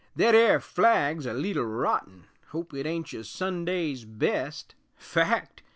Thet air flag's a leetle rotten, Hope it ain't your Sunday's best Fact!